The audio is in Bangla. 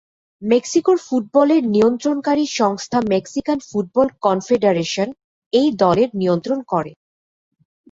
মেক্সিকোর ফুটবলের নিয়ন্ত্রণকারী সংস্থা মেক্সিকান ফুটবল কনফেডারেশন এই দলের নিয়ন্ত্রণ করে।